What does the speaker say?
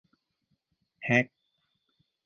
แฮ็ก